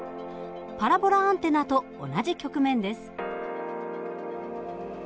パラボラアンテナと同じ曲面です。